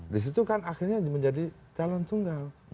di situ kan akhirnya menjadi calon tunggal